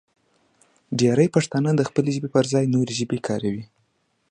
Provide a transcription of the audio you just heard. ډېری پښتانه د خپلې ژبې پر ځای نورې ژبې کاروي.